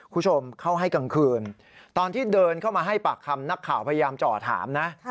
คุณผู้ชมเข้าให้กลางคืนตอนที่เดินเข้ามาให้ปากคำนักข่าวพยายามเจาะถามนะ